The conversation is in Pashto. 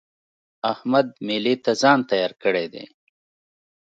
احمد مېلې ته ځان تيار کړی دی.